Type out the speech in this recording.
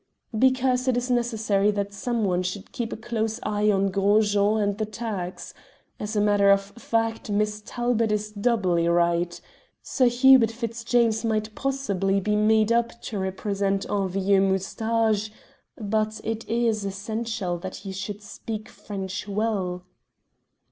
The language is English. "Because it is necessary that someone should keep a close eye on Gros Jean and the Turks. As a matter of fact, Miss Talbot is doubly right. Sir Hubert Fitzjames might possibly be made up to represent un vieux moustache, but it is essential that he should speak French well."